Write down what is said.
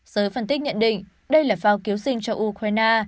giới phân tích nhận định đây là phao cứu sinh cho ukraine